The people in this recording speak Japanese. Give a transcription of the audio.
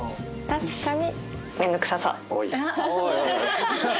確かに。